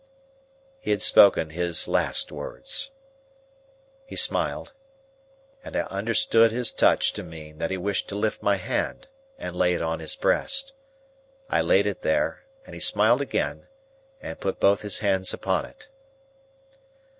He had spoken his last words. He smiled, and I understood his touch to mean that he wished to lift my hand, and lay it on his breast. I laid it there, and he smiled again, and put both his hands upon it.